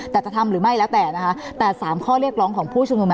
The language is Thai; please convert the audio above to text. แต่จะทำหรือไม่แล้วแต่นะคะแต่๓ข้อเรียกร้องของผู้ชุมนุม